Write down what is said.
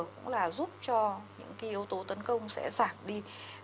cũng là giúp cho những yếu tố tấn công sẽ giảm đi